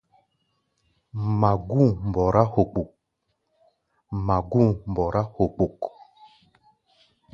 Magú̧u̧ mbɔrá hogbok.